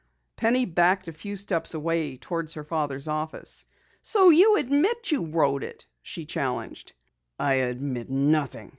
Penny backed a few steps away toward her father's office. "So you admit you wrote it?" she challenged. "I admit nothing.